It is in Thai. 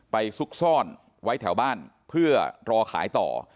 ซุกซ่อนไว้แถวบ้านเพื่อรอขายต่อ